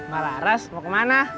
mak laras mau ke mana